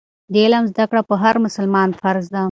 د علم زده کړه په هر مسلمان فرض ده.